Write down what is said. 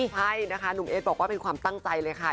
ใช่นะคะหนุ่มเอสบอกว่าเป็นความตั้งใจเลยค่ะ